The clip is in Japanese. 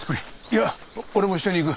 いや俺も一緒に行く。